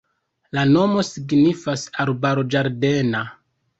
La nomo signifas arbaro-ĝardena.